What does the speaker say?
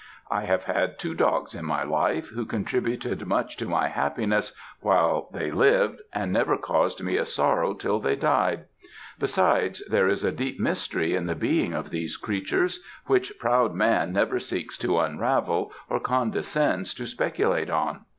I have had two dogs, in my life, who contributed much to my happiness while they lived, and never caused me a sorrow till they died. Besides, there is a deep mystery in the being of these creatures, which proud man never seeks to unravel, or condescends to speculate on.